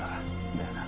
だよな？